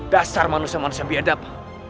dasar manusia manusia biadab